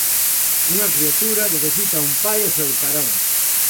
Unha criatura necesita un pai ó seu carón.